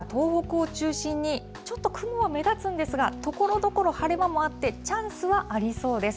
近畿から東北を中心に、ちょっと雲は目立つんですが、ところどころ晴れ間もあって、チャンスはありそうです。